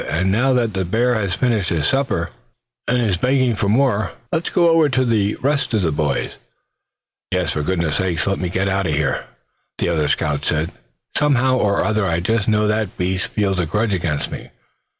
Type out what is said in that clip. And now that the bear has finished his supper, and is begging for more, let's go over to the rest of the boys again." "Yes, for goodness sake let's get away from here," the other scout said. "Somehow or other I just know that beast feels a grudge against me.